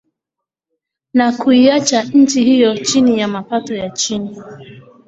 Na kuiacha nchi hiyo chini ya mapato ya chini.